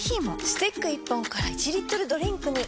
スティック１本から１リットルドリンクに！